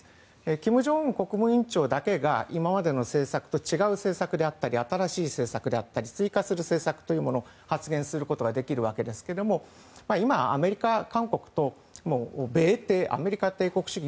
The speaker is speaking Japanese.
金正恩国務委員長だけが今までの政策と違う政策であったり新しい政策であったり追加する政策を発言することができるわけですが今、アメリカ、韓国と米帝、アメリカ帝国主義